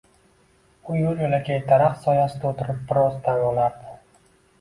U yoʻl-yoʻlakay daraxt soyasida oʻtirib biroz dam olardi.